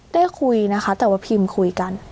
ได้คุยนะคะแต่ว่าพิมพ์คุยกัน